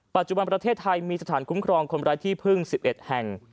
ปัจจุบันประเทศไทยมีสถานคุ้มครองคนไร้ที่พึ่ง๑๑แห่ง